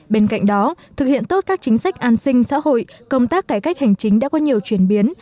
bên cạnh đó thực hiện tốt các chính sách an sinh xã hội công tác cải cách hành chính đã có nhiều chuyển biến